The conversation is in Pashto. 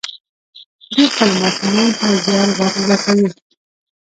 دوی خپلو ماشومانو ته زیار ور زده کوي.